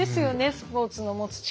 スポーツの持つ力。